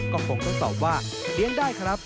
ก็คงทดสอบว่าเลี้ยงได้ครับ